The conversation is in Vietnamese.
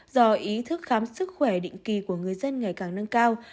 do ý thức khám sức khỏe định kỳ của người dân ngày càng nâng cao